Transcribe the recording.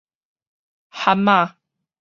撼仔